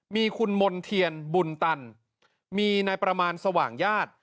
มีคุณมณ์เทียนบุญตันมีนายประมาณสว่างญาติ